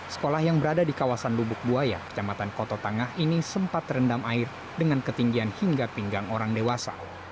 sekolah yang berada di kawasan bubuk buaya kecamatan koto tangah ini sempat terendam air dengan ketinggian hingga pinggang orang dewasa